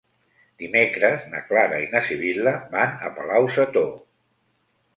Dimecres na Clara i na Sibil·la van a Palau-sator.